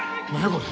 これ。